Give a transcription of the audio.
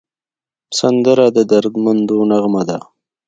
سندره د دردمندو نغمه ده